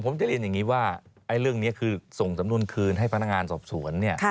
ผมจะเรียนอย่างนี้ว่าเรื่องนี้คือส่งสำนวนคืนให้พนักงานสอบสวนเนี่ย